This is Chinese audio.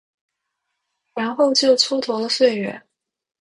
然后就蹉跎了岁月